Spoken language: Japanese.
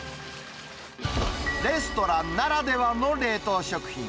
レストランならではの冷凍食品。